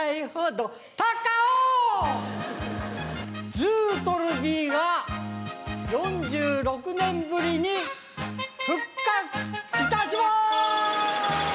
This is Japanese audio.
ずうとるびが、４６年ぶりに復活いたします。